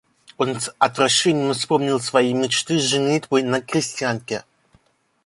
Он с отвращением вспомнил свои мечты женитьбы на крестьянке.